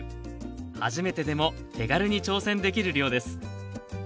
初めてでも手軽に挑戦できる量です